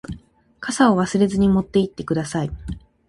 傘を忘れずに持って行ってください。